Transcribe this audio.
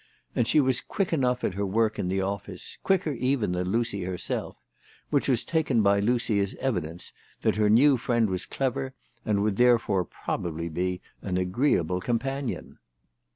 And she was quick enough at her work in the office, quicker even than Lucy herself, which was taken by Lucy as evidence that her new friend was clever, and would therefore probably be an agreeable companion.